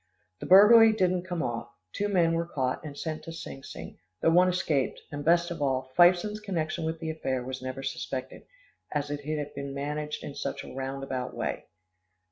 The burglary didn't come off, two men were caught, and sent to Sing Sing, though one escaped, and best of all, Fifeson's connection with the affair was never suspected, as it had been managed in such a roundabout way.